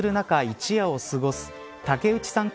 一夜を過ごす竹内さん